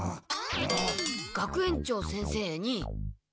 「学園長先生に」。